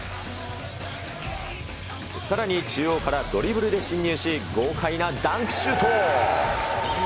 さらに中央からドリブルで侵入し、豪快なダンクシュート。